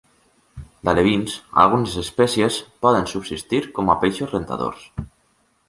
D'alevins, algunes espècies poden subsistir com a peixos rentadors.